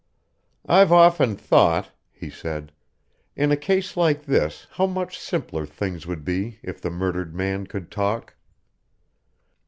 "I've often thought," he said, "in a case like this, how much simpler things would be if the murdered man could talk."